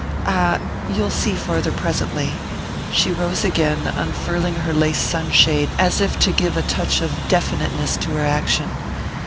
"Ah, you'll see farther presently " She rose again, unfurling her lace sunshade, as if to give a touch of definiteness to her action.